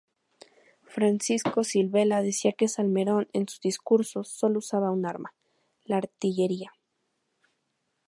Francisco Silvela decía que Salmerón, en sus discursos, sólo usaba un arma: la artillería.